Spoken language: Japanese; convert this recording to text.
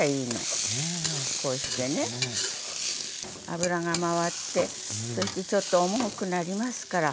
こうしてね油が回ってそしてちょっと重くなりますから。